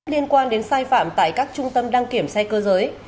liên quan đến sai phạm tại các trung tâm đăng kiểm xe cơ giới